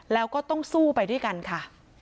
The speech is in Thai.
แล้วก็ต้องสู้ไปด้วยกันค่ะ